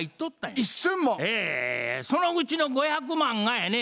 ええそのうちの５００万がやね